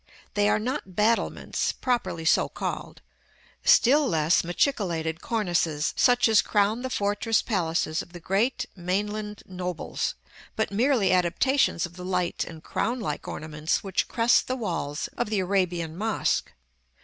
They are not battlements, properly so called; still less machicolated cornices, such as crown the fortress palaces of the great mainland nobles; but merely adaptations of the light and crown like ornaments which crest the walls of the Arabian mosque.